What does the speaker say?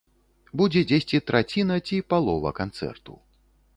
Будзе дзесьці траціна ці палова канцэрту.